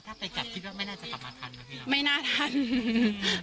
ถ้าไปกับคิดว่าไม่น่าจะกลับมาทันหรือเปล่า